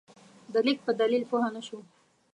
د لیک په دلیل پوه نه شو.